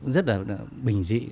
rất là bình dị